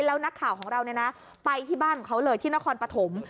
แล้วนักข่าวของเราไปที่บ้านของเขาเลยที่นครปฐม